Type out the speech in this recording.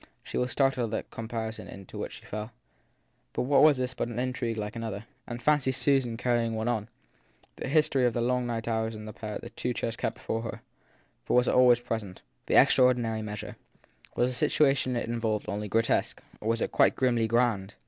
She was startled at the comparison into which she fell but what was this but an intrigue like another ? And fancy Susan carrying one on ! That history of the long night hours of the pair in the two chairs kept before her for it was always present the extraordinary measure. Was the situation it involved only grotesque or was it quite grimly grand